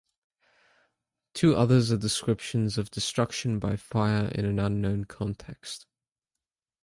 Two others are descriptions of destruction by fire in an unknown context.